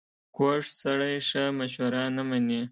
کوږ سړی ښه مشوره نه مني